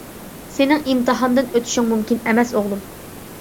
سېنىڭ ئىمتىھاندىن ئۆتۈشۈڭ مۇمكىن ئەمەس ئوغلۇم.